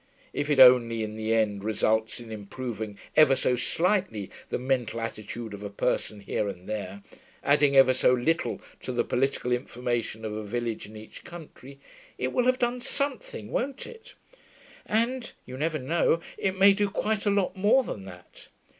If it only in the end results in improving ever so slightly the mental attitude of a person here and there, adding ever so little to the political information of a village in each county, it will have done something, won't it? And you never know it may do quite a lot more than that.